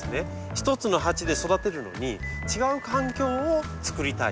一つの鉢で育てるのに違う環境を作りたい。